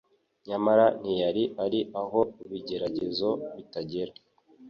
Nyamara ntiyari ari aho ibigeragezo bitagera.